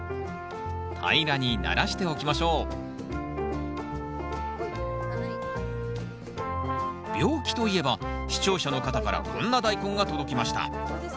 平らにならしておきましょう病気といえば視聴者の方からこんなダイコンが届きました。